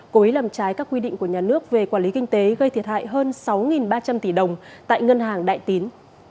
cố ý làm trái các quy định của nhà nước về quản lý kinh tế gây thiệt hại hơn sáu ba trăm linh tỷ đồng tại ngân hàng đại tín